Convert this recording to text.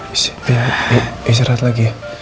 isi isi rehat lagi ya